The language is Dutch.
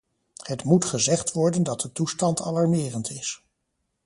Het moet gezegd worden dat de toestand alarmerend is.